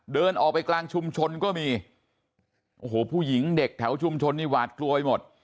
เดินออกไปกลางชุมชนก็มีโอ้โหผู้หญิงเด็กแถวชุมชนนี่หวาดกลัวไปหมด